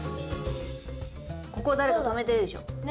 ここを誰か止めてるでしょ。ね。